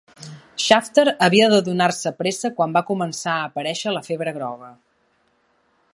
Shafter havia de donar-se pressa quan va començar a aparèixer la febre groga.